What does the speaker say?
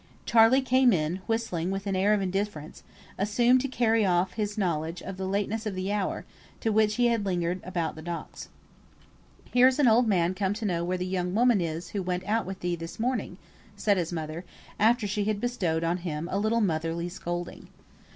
Charley came in, whistling with an air of indifference, assumed to carry off his knowledge of the lateness of the hour to which he had lingered about the docks. "Here's an old man come to know where the young woman is who went out with thee this morning," said his mother, after she had bestowed on him a little motherly scolding.